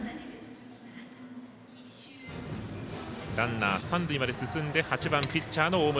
ランナー、三塁まで進んで８番ピッチャーの大室。